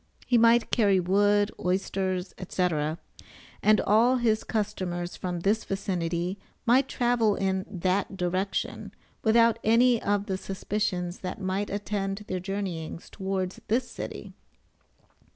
He might carry wood, oysters, &c., and all his customers from this vicinity might travel in that direction without any of the suspicions that might attend their journeyings towards this city.